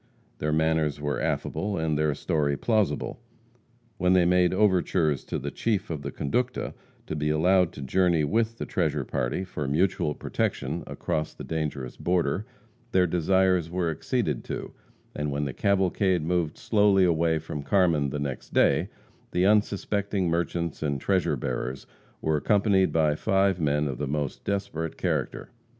Their manners were affable, and their story plausible. When they made overtures to the chief of the conducta, to be allowed to journey with the treasure party for mutual protection across the dangerous border, their desires were acceded to, and when the cavalcade moved slowly away from Carmen the next day, the unsuspecting merchants and treasure bearers were accompanied by five men of the most desperate character.